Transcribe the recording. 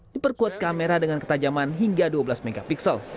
diperkuat kamera dengan ketajaman hingga dua belas mp